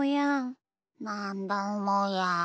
なんだもや？